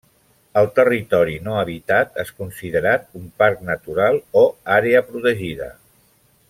El territori no habitat és considerat un parc natural o àrea protegida.